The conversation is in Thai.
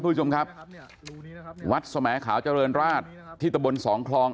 ผู้ชมครับรูนี้นะครับวัดสมแขาเจริญราชที่ตะบลสองคลอง